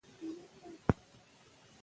کلي د افغان کورنیو د دودونو مهم عنصر دی.